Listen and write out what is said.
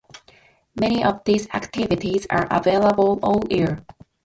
Many of these activities are available all year.